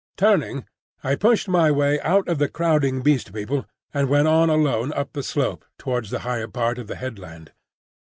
Turning, I pushed my way out of the crowding Beast People and went on alone up the slope towards the higher part of the headland.